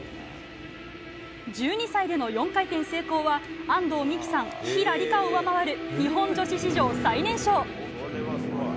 １２歳での４回転成功は安藤美姫さん、紀平梨花を上回る日本女子史上最年少。